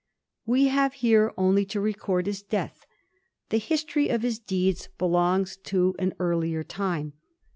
We have here only to record his death ; the history of his deeds belongs to an earlier time.